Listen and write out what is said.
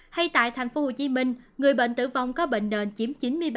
hay tại tp hcm người bệnh tử vong có bệnh nền chiếm chín mươi ba ba mươi ba